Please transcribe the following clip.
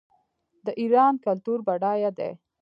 د ایران کلتور بډایه دی.